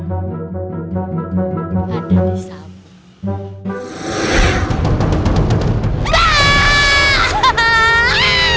ada di samping